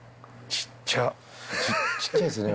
小っちゃいですね